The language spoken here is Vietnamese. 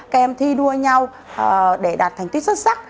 các em thi đua nhau để đạt thành tích xuất sắc